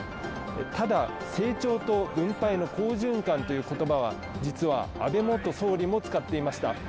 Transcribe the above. ただ、成長と分配の好循環という言葉は実は安倍元総理も使っていました。